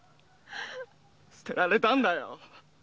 捨てられたんだ！